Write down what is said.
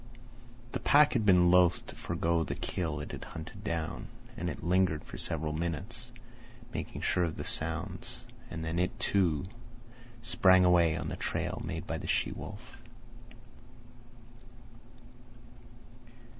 The pack had been loath to forego the kill it had hunted down, and it lingered for several minutes, making sure of the sounds, and then it, too, sprang away on the trail made by the she wolf.